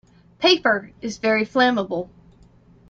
Paper is very flammable.